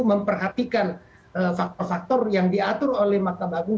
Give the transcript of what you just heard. memperhatikan faktor faktor yang diatur oleh mahkamah agung